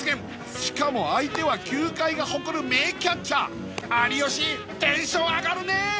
しかも相手は球界が誇る名キャッチャー有吉テンション上がるね！